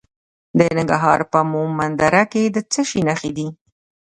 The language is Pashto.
د ننګرهار په مومند دره کې د څه شي نښې دي؟